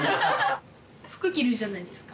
服着るじゃないですか。